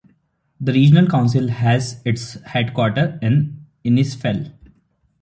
The regional council has its headquarters in Innisfail.